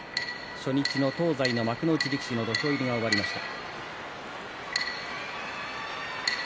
初日の東西の幕内力士の土俵入りが終わりました。